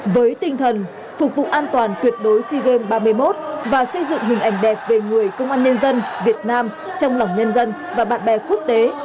với tinh thần phục vụ an toàn tuyệt đối sea games ba mươi một và xây dựng hình ảnh đẹp về người công an nhân dân việt nam trong lòng nhân dân và bạn bè quốc tế